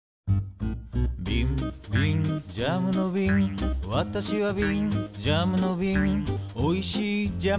「びんびんジャムのびんわたしはびん」「ジャムのびんおいしいジャムをいれていた」